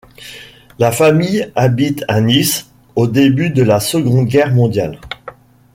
La famille habite à Nice au début de la Seconde Guerre mondiale.